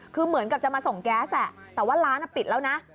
คือเหมือนกับจะมาส่งแก๊สแหละแต่ว่าร้านปิดแล้วนะ